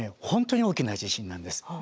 本当に大きな地震なんです。